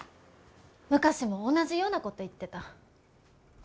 昔も同じようなこと言ってた。